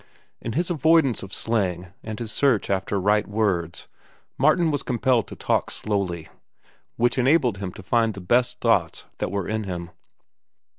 In his avoidance of slang and his search after right words, Martin was compelled to talk slowly, which enabled him to find the best thoughts that were in him.